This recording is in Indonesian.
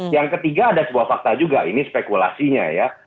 yang ketiga ada sebuah fakta juga ini spekulasinya ya